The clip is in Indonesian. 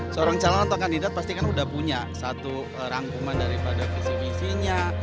seorang calon atau kandidat pasti kan sudah punya satu rangkuman daripada visi visinya